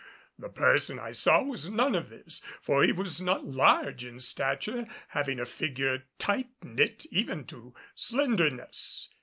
The person I saw was none of this; for he was not large in stature, having a figure tight knit even to slenderness.